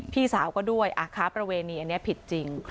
พี่สาวก็ด้วยค้าประเวณีอันนี้ผิดจริง